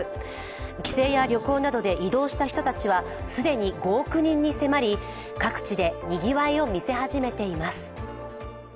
帰省や旅行などで移動した人たちは、既に５億人に迫り、各地でにぎわいを見せ始めています。